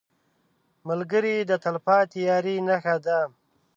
ملګری د تلپاتې یارۍ نښه ده